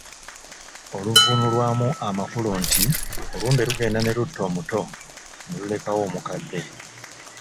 Oluvvuunulwamu amakulu nti olumbe lugenda ne lutta omuto, ne lulekawo omukadde.